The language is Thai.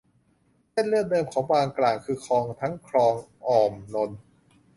เส้นเลือดเดิมของบางกร่างคือคลอง ทั้งคลองอ้อมนนท์